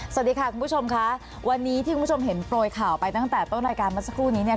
สวัสดีค่ะคุณผู้ชมค่ะวันนี้ที่คุณผู้ชมเห็นโปรยข่าวไปตั้งแต่ต้นรายการมาสักครู่นี้เนี่ย